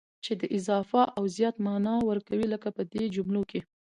چي د اضافه او زيات مانا ور کوي، لکه په دې جملو کي: